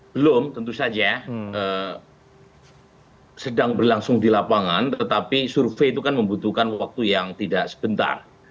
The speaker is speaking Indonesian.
belum tentu saja sedang berlangsung di lapangan tetapi survei itu kan membutuhkan waktu yang tidak sebentar